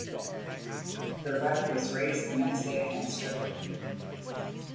The wreck was raised the next day and stricken.